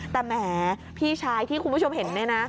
แต่แหมพี่ชายที่คุณผู้ชมเห็นเนี่ยนะ